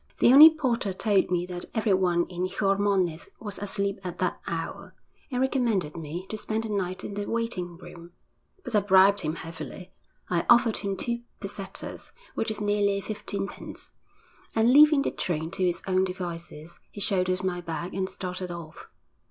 The only porter told me that everyone in Xiormonez was asleep at that hour, and recommended me to spend the night in the waiting room, but I bribed him heavily; I offered him two pesetas, which is nearly fifteenpence, and, leaving the train to its own devices, he shouldered my bag and started off.